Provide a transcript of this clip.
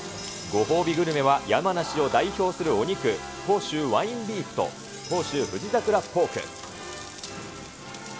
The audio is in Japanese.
ご褒美グルメは、山梨を代表するお肉、甲州ワインビーフと甲州富士桜ポーク。